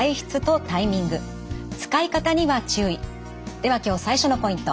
では今日最初のポイント。